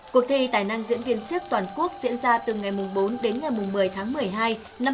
cuộc thi tài năng diễn viên siếc toàn quốc diễn ra từ ngày bốn đến ngày một mươi tháng một mươi hai năm hai nghìn một mươi chín